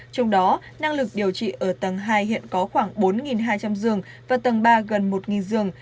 trong đó năng lực điều trị ở tầng hai hiện có khoảng bốn hai trăm linh giường và tầng ba gần một giường